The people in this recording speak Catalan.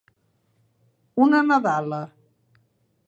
Una nadala.